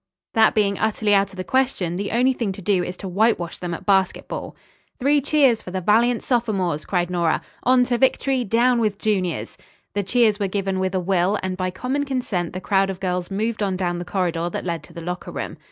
That being utterly out of the question, the only thing to do is to whitewash them at basketball." "Three cheers for the valiant sophomores!" cried Nora, "On to victory! Down with juniors!" The cheers were given with a will, and by common consent the crowd of girls moved on down the corridor that led to the locker room.